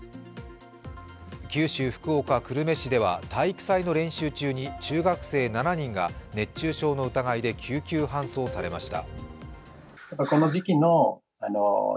九州、福岡・久留米市では体育祭の練習中に中学生７人が熱中症の疑いで救急搬送されました。